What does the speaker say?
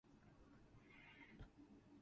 He is an ethnic Russian.